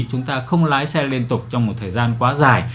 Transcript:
chúng ta không lái xe liên tục trong một thời gian quá dài